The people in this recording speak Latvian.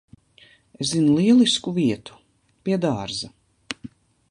Es zinu lielisku vietu. Pie dārza.